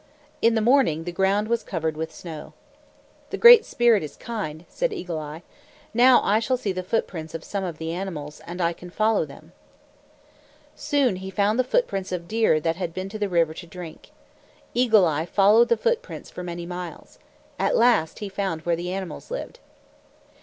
In the morning, the ground was covered with snow. "The Great Spirit is kind," said Eagle Eye. "Now I shall see the footprints of some of the animals, and I can follow them." Soon he found the footprints of deer that had been to the river to drink. Eagle Eye followed the footprints for many miles. At last he found where the animals lived.